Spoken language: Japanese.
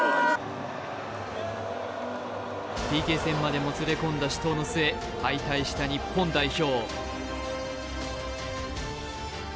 ＰＫ戦までもつれ込んだ死闘の末、敗退した日本代表。